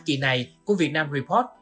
kỳ này của vietnam report